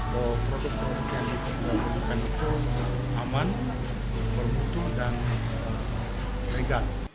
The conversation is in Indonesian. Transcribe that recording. bahwa produk produk yang diperlukan itu aman bermutu dan legal